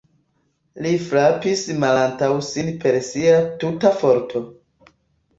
Li frapis malantaŭ sin per sia tuta forto.